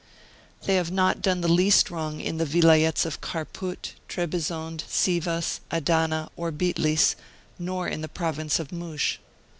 They have not done the least wrong in the Vilayets of Kharpout, Trebizond, Sivas, Adana, or Bitlis, nor in the province of Moush.